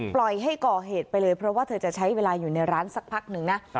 ปล่อยให้ก่อเหตุไปเลยเพราะว่าเธอจะใช้เวลาอยู่ในร้านสักพักหนึ่งนะ